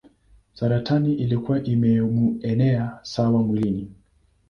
Saratani ilikuwa imemuenea sana mwilini.